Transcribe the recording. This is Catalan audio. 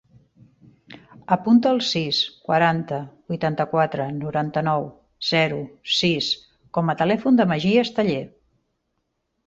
Apunta el sis, quaranta, vuitanta-quatre, noranta-nou, zero, sis com a telèfon del Magí Esteller.